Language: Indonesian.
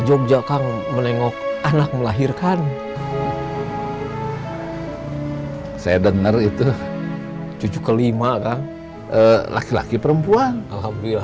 jogja kang menengok anak melahirkan saya dengar itu cucu kelima kang laki laki perempuan alhamdulillah